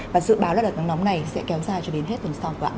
và dự báo là đợt nắng nóng này sẽ kéo dài cho đến hết tuần sau của ạ